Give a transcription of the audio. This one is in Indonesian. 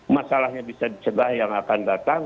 masalahnya bisa dicegah yang akan datang